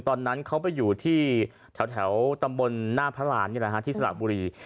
ตอนนั้นเขาไปอยู่ที่แถวตำบลหน้าพระราณที่สระบุรี